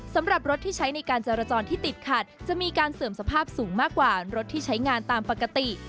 สำหรับรถที่ใช้ในการจรจรที่ติดขัดจะมีการเสื่อมสภาพสูงมากกว่ารถที่ใช้งานตามปกติ